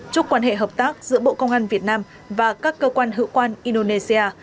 chúc quan hệ hợp tác giữa bộ công an việt nam và các cơ quan hữu quan indonesia